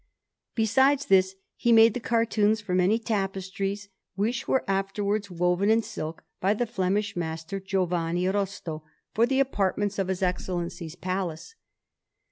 Besides this, he made the cartoons for many tapestries, which were afterwards woven in silk by the Flemish master, Giovanni Rosto, for the apartments of his Excellency's Palace.